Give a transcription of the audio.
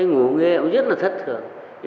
ngủ nghe rất là thất thường